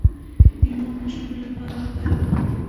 د موم د شونډو لپاره وکاروئ